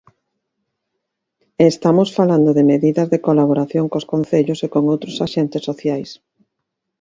E estamos falando de medidas de colaboración cos concellos e con outros axentes sociais.